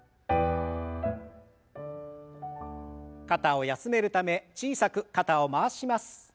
肩を休めるため小さく肩を回します。